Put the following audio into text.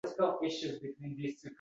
–Iflos ish.